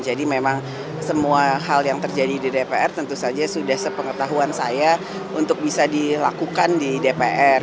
jadi memang semua hal yang terjadi di dpr tentu saja sudah sepengetahuan saya untuk bisa dilakukan di dpr